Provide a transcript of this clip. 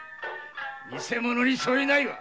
偽物に相違ないわ。